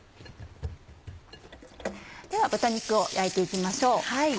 では豚肉を焼いて行きましょう。